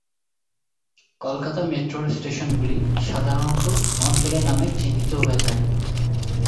কলকাতা মেট্রোর স্টেশনগুলি সাধারণত অঞ্চলের নামে চিহ্নিত হয়ে থাকে।